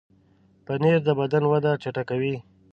پنېر د بدن وده چټکوي.